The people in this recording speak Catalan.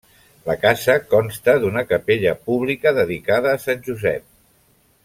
La casa consta d'una capella pública dedicada a sant Josep.